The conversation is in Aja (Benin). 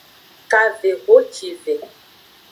Kavehocive.